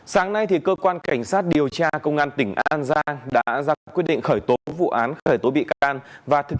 sáng nay cơ quan cảnh sát điều tra công an tỉnh an giang đã ra quyết định khởi tố vụ án khởi tố bị can và thực